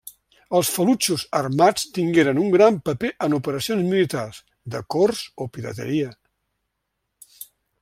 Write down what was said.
Els falutxos armats tingueren un gran paper en operacions militars, de cors o pirateria.